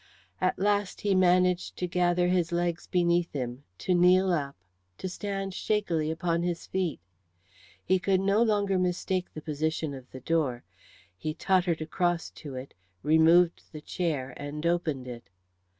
At last he managed to gather his legs beneath him, to kneel up, to stand shakily upon his feet. He could no longer mistake the position of the door; he tottered across to it, removed the chair, and opened it.